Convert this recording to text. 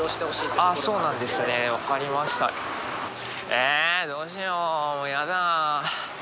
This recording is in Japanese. えどうしようもうやだ。